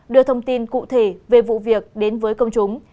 đưa thông tin cụ thể về vụ việc đến với công chúng